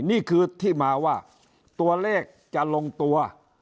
นี่คือที่มาว่าตัวเลขจะลงตัว